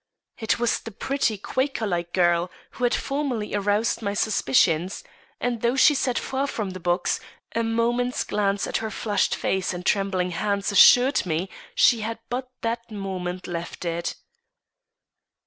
It was the pretty, Quaker like girl who had formerly aroused my suspicions; and though she sat far from the box, a moment's glance at her flushed face and trembling hands assured me she had but that moment left it.